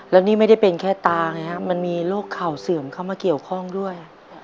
แล้วนี่ไม่ได้เป็นแค่ตาไงฮะมันมีโรคเข่าเสื่อมเข้ามาเกี่ยวข้องด้วย